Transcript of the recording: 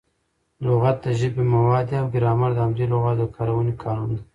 لغت د ژبي مواد دي او ګرامر د همدې لغاتو د کاروني قانون دئ.